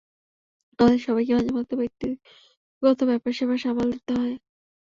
আমাদের সবাইকেই মাঝেমাঝে ব্যক্তিগত ব্যাপারস্যাপার সামাল দিতে হয়।